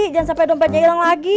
jangan sampai dompetnya hilang lagi